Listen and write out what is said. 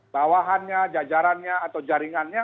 bawahannya jajarannya atau jaringannya